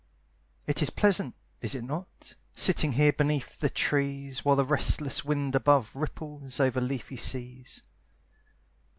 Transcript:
It is pleasant, is it not, Sitting here beneath the trees, While the restless wind above Ripples over leafy seas?